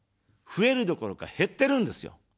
増えるどころか減ってるんですよ。